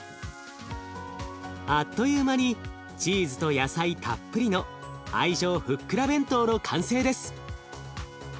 あっという間にチーズと野菜たっぷりの愛情ふっくら弁当の完成です。